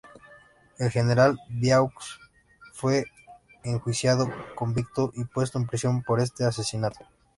El general Viaux fue enjuiciado, convicto y puesto en prisión por este asesinato.